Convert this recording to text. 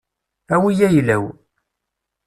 Awi ayla-w.